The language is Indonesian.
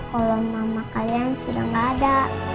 kalau mama kalian sudah gak ada